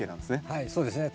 はいそうですね。